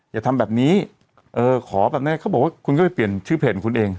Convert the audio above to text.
อย่าทำแบบนี้เออขอแบบเนี้ยเขาบอกว่าคุณก็ไปเปลี่ยนชื่อเพจของคุณเอง